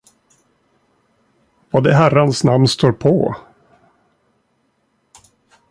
Vad i herrans namn står på?